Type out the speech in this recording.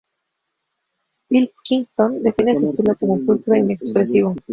Pilkington define su estilo como pulcro e inexpresivo.